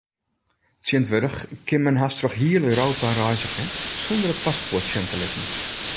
Tsjintwurdich kin men hast troch hiel Europa reizgje sûnder in paspoart sjen te litten.